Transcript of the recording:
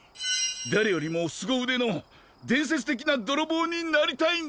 誰よりもすごうでの伝説的などろぼうになりたいんだ！